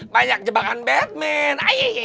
banyak jebakan batman